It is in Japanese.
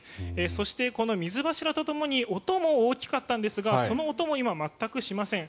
そして、この水柱とともに音も大きかったんですがその音も今、全くしません。